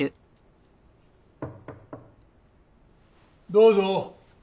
どうぞ。